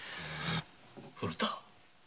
古田。